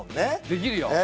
できるよ。